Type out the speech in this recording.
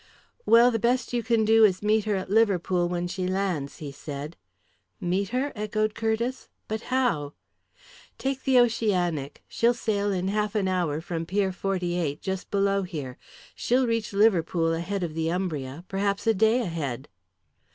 "Well, the best you can do is to meet her at Liverpool when she lands," he said. "Meet her?" echoed Curtiss. "But how?" "Take the Oceanic. She'll sail in half an hour from Pier 48, just below here. She'll reach Liverpool ahead of the Umbria perhaps a day ahead."